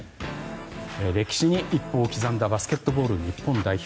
歴史に一歩を刻んだバスケットボール日本代表。